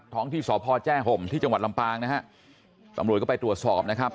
ที่สพแจ้ห่มที่จังหวัดลำปางนะฮะตำรวจก็ไปตรวจสอบนะครับ